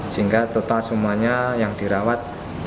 sehingga total semuanya yang dirawat tiga puluh lima